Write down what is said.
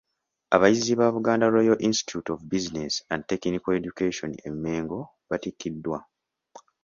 Abayizi ba Buganda royal Institute of business and technical education e Mengo batikkiddwa.